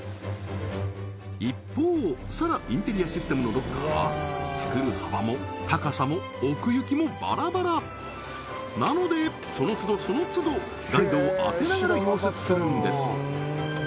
一方サラインテリアシステムのロッカーは作る幅も高さも奥行きもバラバラなのでその都度その都度ガイドを当てながら溶接するんです